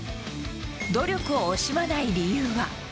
努力を惜しまない理由は。